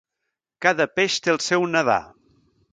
Cada peix té el seu nedar.